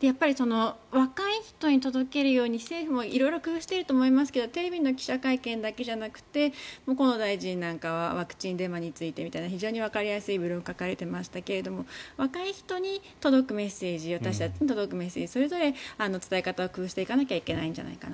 若い人に届けるように政府も色々工夫していると思いますがテレビの記者会見だけじゃなくて河野大臣なんかはワクチンデマについてみたいな非常にわかりやすいブログを書かれていましたけど若い人に届くメッセージ私たちに届くメッセージそれぞれ、伝え方を工夫していかなきゃいけないんじゃないかと。